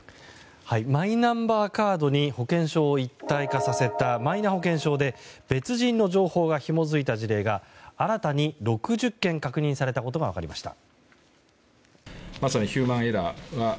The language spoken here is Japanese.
マイナンバーカードに保険証を一体化させたマイナ保険証で別人の情報がひも付いた事例が新たに６０件確認されたことが分かりました。